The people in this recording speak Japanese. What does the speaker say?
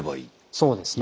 そうですね。